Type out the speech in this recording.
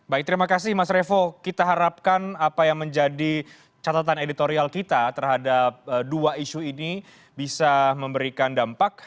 baik terima kasih mas revo kita harapkan apa yang menjadi catatan editorial kita terhadap dua isu ini bisa memberikan dampak